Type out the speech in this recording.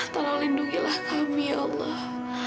tolong lindungilah kami allah